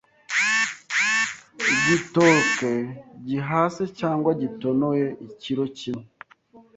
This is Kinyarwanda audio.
Igitoke gihase cyangwa gitonoye ikiro kimwe